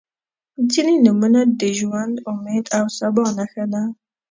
• ځینې نومونه د ژوند، امید او سبا نښه ده.